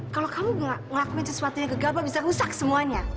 kalau kamu gak ngelakuin sesuatu yang gegabah bisa rusak semuanya